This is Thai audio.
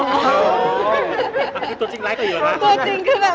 ตัวจริงร้ายตัวอยู่หรอ